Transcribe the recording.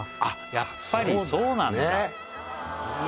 やっぱりそうなんだいや